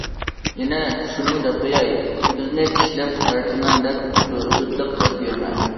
يەنە شۇنىمۇ دەپ قوياي، بىزنى چىشلەپ تارتىمەن دەپ دۆتلۈك قىلىپ يۈرمە!